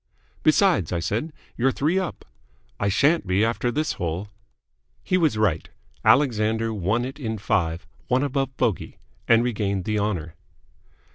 "Besides," I said, "you're three up." "I shan't be after this hole." He was right. Alexander won it in five, one above bogey, and regained the honour.